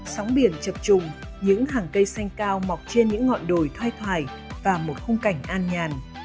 sóng biển chập trùng những hàng cây xanh cao mọc trên những ngọn đồi thoai thoải và một khung cảnh an nhàn